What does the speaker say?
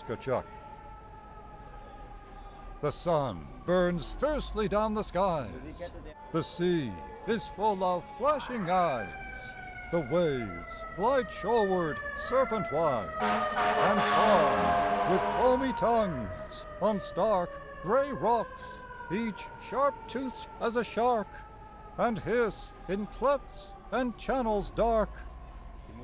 A PICTURE THE sun burns fiercely down the skies ; The sea is full of flashing eyes ; The waves glide shoreward serpentwise And fawn with foamy tongues on stark Gray rocks, each sharp toothed as a shark, And hiss in clefts and channels dark.